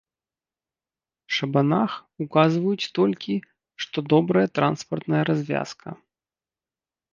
Шабанах, указваюць толькі, што добрая транспартная развязка.